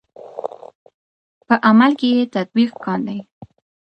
په عمل کې یې تطبیق کاندئ.